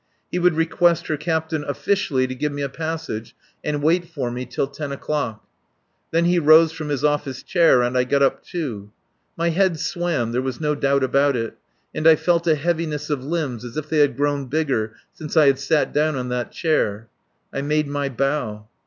He would request her captain officially to give me a passage and wait for me till ten o'clock. Then he rose from his office chair, and I got up, too. My head swam, there was no doubt about it, and I felt a certain heaviness of limbs as if they had grown bigger since I had sat down on that chair. I made my bow.